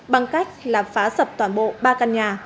bằng cách là phá sập toàn bộ ba căn nhà